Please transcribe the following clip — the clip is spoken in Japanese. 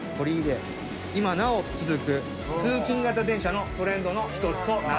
今なお続く通勤形電車のトレンドの一つとなっております。